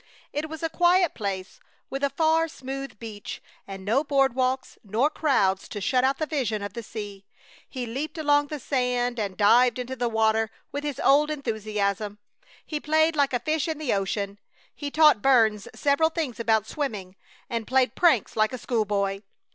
It was a quiet place, with a far, smooth beach, and no board walks nor crowds to shut out the vision of the sea. He leaped along the sand and dived into the water with his old enthusiasm. He played like a fish in the ocean. He taught Burns several things about swimming, and played pranks like a school boy.